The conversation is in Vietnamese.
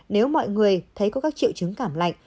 nếu mọi người thấy có các triệu chứng cảm lạnh